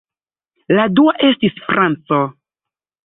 La dua estis franco.